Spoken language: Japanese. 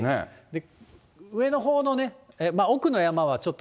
上のほうの、奥の山はちょっと。